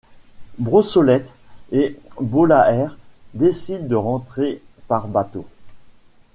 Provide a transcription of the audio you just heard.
Brossolette et Bollaert décident de rentrer par bateau.